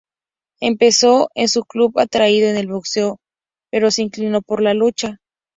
Empezó en su club atraído por el boxeo pero se inclinó por la lucha.